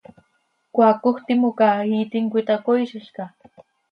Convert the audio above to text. ¿Cmaacoj timoca iiitim cöitacoiizilca?